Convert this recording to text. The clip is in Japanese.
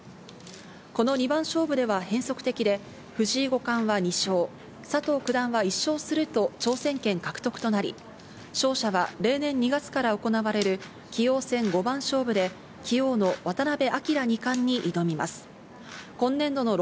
この二番勝負では、変則的で藤井五冠は２勝、佐藤九段は１勝すると挑戦権獲得となり、勝者は例年２月から行われる棋王戦五番勝負で棋王の渡辺明二冠に挑みます。